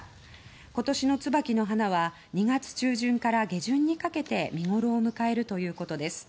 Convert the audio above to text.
今年の椿の花は２月中旬から下旬にかけて見頃を迎えるということです。